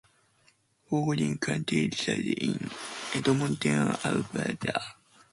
Fogolin currently resides in Edmonton, Alberta.